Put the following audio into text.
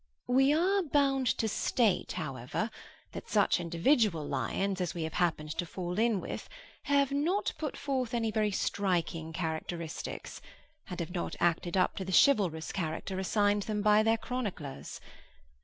We are bound to state, however, that such individual lions as we have happened to fall in with have not put forth any very striking characteristics, and have not acted up to the chivalrous character assigned them by their chroniclers.